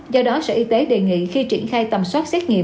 do đó sở y tế đề nghị khi triển khai tầm soát xét nghiệm